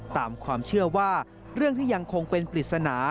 ตามความเชื่อว่าเรื่องที่ยังคงเป็นปริศนา